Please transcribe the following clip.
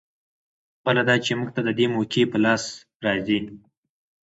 بله دا چې موږ ته د دې موقعې په لاس راځي.